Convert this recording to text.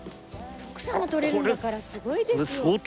徳さんも採れるんだからすごいですよ。